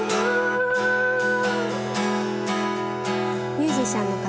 ミュージシャンの方。